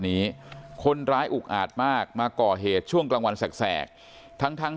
นี้คนร้ายอุกอาจมากมาก่อเหตุช่วงกลางวันแสกทั้งทั้ง